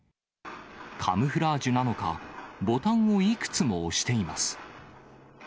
カモフラージュなのか、ボタンをいくつも押しています。